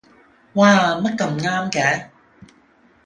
嘩，乜咁啱嘅